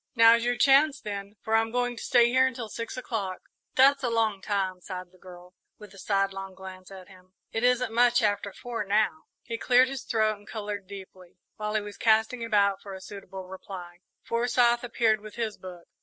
"Now's your chance, then, for I'm going to stay here until six o'clock." "That's a long time," sighed the girl, with a sidelong glance at him. "It isn't much after four now." He cleared his throat and coloured deeply. While he was casting about for a suitable reply, Forsyth appeared with his book.